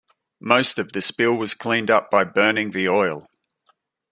Most of the spill was cleaned up by burning the oil.